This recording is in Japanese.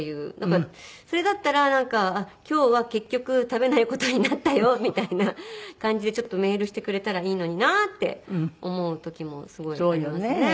それだったらなんか今日は結局食べない事になったよみたいな感じでちょっとメールしてくれたらいいのになって思う時もすごいありますね。